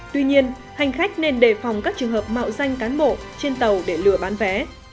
tuy nhiên hành khách nên đề phòng các trường hợp mạo danh cán bộ trên tàu để lừa bán vé